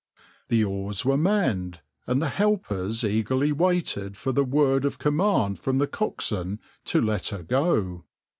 The oars were manned, and the helpers eagerly waited for the word of command from the coxswain to let her go.